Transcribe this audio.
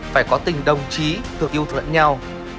phải có tình đồng chí thương yêu thương nhau